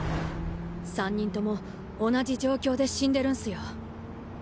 三人とも同じ状況で死んでるんすよ。